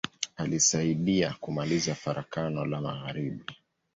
Alisaidia kumaliza Farakano la magharibi.